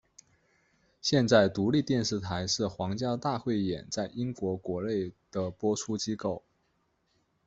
现在独立电视台是皇家大汇演在英国国内的播出机构。